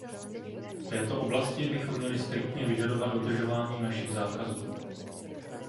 V této oblasti bychom měli striktně vyžadovat dodržování našich zákazů.